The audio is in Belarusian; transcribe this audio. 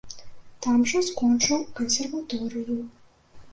Там жа скончыў кансерваторыю.